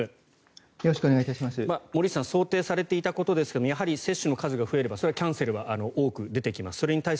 森内さん想定されていたことですがやはり接種の数が増えればキャンセルの数が増えてきます。